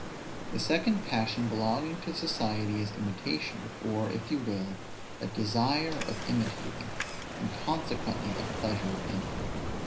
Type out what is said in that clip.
The second passion belonging to society is imitation, or, if you will, a desire of imitating, and consequently a pleasure in it.